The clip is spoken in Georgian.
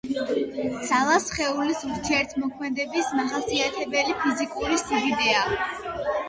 ძალა სხეულის ურთიერთქმედების მახასიათებელი ფიზიკური სიდიდეა